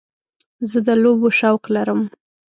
زه د لوبو شوق لرم.